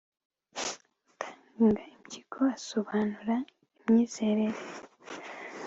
utanga impyiko asobanura imyizerere ye